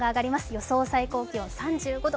予想最高気温３５度。